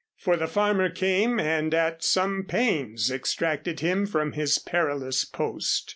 For the farmer came and at some pains extracted him from his perilous post.